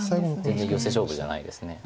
全然ヨセ勝負じゃないです。